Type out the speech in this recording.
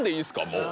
もう。